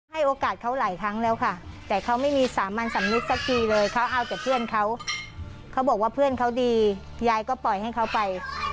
ให้โอกาสเขาหลายครั้งแล้วค่ะแต่เขาไม่มีสามัญสำนึกสักทีเลยเขาเอาแต่เพื่อนเขาเขาบอกว่าเพื่อนเขาดียายก็ปล่อยให้เขาไป